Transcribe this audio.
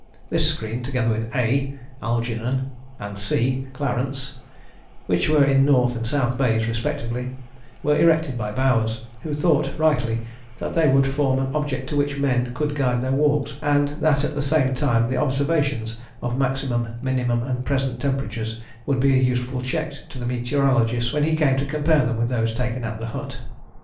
This screen, together with "A" (Algernon) and "C" (Clarence), which were in North and South Bays respectively, were erected by Bowers, who thought, rightly, that they would form an object to which men could guide their walks, and that at the same time the observations of maximum, minimum and present temperatures would be a useful check to the meteorologist when he came to compare them with those taken at the hut.